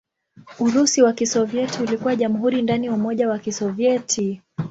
Urusi wa Kisovyeti ulikuwa jamhuri ndani ya Umoja wa Kisovyeti.